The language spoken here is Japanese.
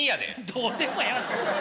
どうでもええわ。